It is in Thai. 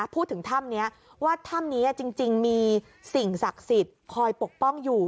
พูดถึงถ้ำนี้ว่าถ้ำนี้จริงมีสิ่งศักดิ์สิทธิ์คอยปกป้องอยู่